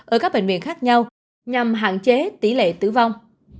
ở các bệnh viện khác nhau nhằm hạn chế tỷ lệ tử vong